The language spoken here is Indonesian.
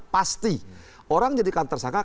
pasti orang jadikan tersangka